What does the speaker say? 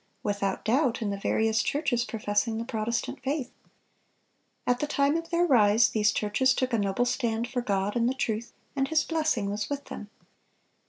Without doubt, in the various churches professing the Protestant faith. At the time of their rise, these churches took a noble stand for God and the truth, and His blessing was with them.